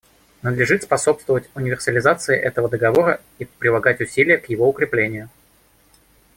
Надлежит способствовать универсализации этого Договора и прилагать усилия к его укреплению.